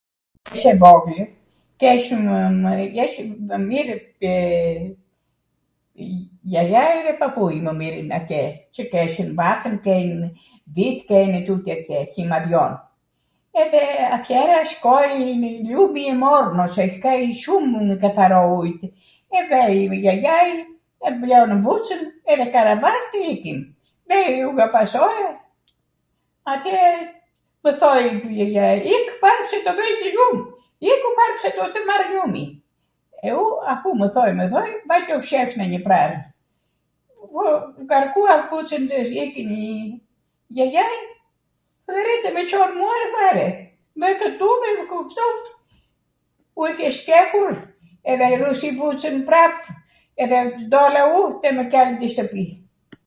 [kur] jesh e voglw, keshmw, jeshwm, mw mirwte jajai edhe papui mw mirin atje qw keshwm vathwn, kejmw dhit, kejmw tutje te hjimadhjon, edhe atjera shkoi lumi i mormw, se kej shum katharo ujw, e vejm jajai, mblodhnw vucwn edhe karavan tw ikim, vej unw ka pasoje, atje mw thoj jajai ik para se do vesh nw ljum, iku them se do tw marw ljumi. e u, afu mw thoj mw thoj, vajta u fshehsh nw njw prall, u ngarkua kucwn tw ikim jajai, rri tw mw Con mua .... fare, .... u e kesh qepur edhe rrusi vucwn prap, edhe dola u edhe mw qalli ndw shtwpi.